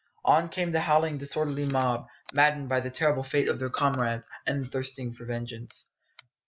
On came the howling, disorderly mob, maddened by the terrible fate of their comrades, and thirsting for vengeance.